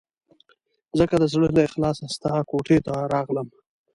ځکه د زړه له اخلاصه ستا کوټې ته راغلم.